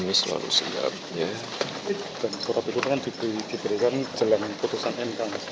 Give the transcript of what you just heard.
mas soal dengan ibu mengajukan pengajuan ini